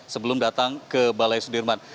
sebelum datang ke balai sudirman